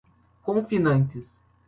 confinantes